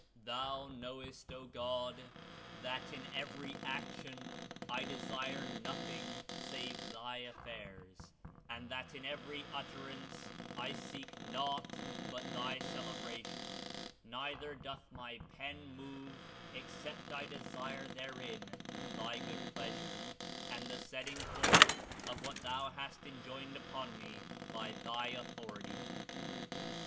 Thou knowest, O God, that in every action I desire nothing save Thy affairs, and that in every utterance I seek naught but Thy celebration; neither doth my Pen move except I desire therein Thy good pleasure and the setting forth of what Thou hast en joined upon me by Thy authority.